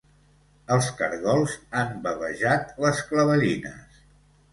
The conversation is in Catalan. Els cargols han bavejat les clavellines.